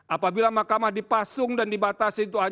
apabila makamah dipasung dan dibatasi dengan keuntungan